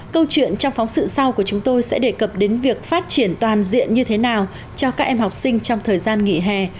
câu chuyện trong phóng sự sau của chúng tôi sẽ đề cập đến việc phát triển toàn diện như thế nào cho các em học sinh trong thời gian nghỉ hè